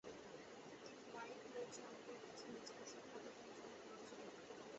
তিনি ওয়াই পরিচালকের কাছে নিজেকে শিক্ষা প্রদানের জন্য প্ররোচিত করেন।